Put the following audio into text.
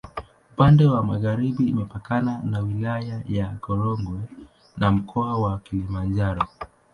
Upande wa magharibi imepakana na Wilaya ya Korogwe na Mkoa wa Kilimanjaro.